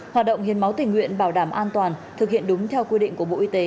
hoạt động hiến máu tình nguyện bảo đảm an toàn thực hiện đúng theo quy định của bộ y tế